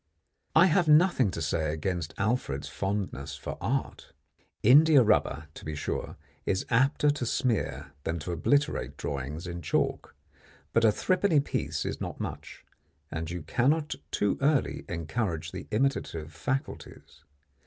I have nothing to say against Alfred's fondness for art. India rubber to be sure, is apter to smear than to obliterate drawings in chalk; but a three penny piece is not much; and you cannot too early encourage the imitative faculties.